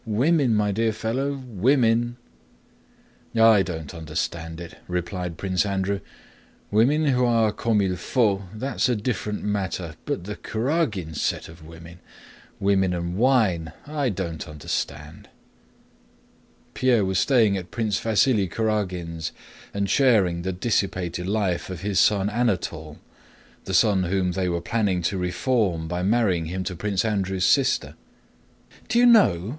"Women, my dear fellow; women!" "I don't understand it," replied Prince Andrew. "Women who are comme il faut, that's a different matter; but the Kurágins' set of women, 'women and wine' I don't understand!" Pierre was staying at Prince Vasíli Kurágin's and sharing the dissipated life of his son Anatole, the son whom they were planning to reform by marrying him to Prince Andrew's sister. "Do you know?"